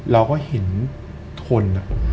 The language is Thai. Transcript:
เราก็เห็นทน